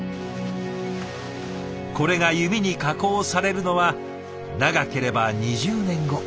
これが弓に加工されるのは長ければ２０年後。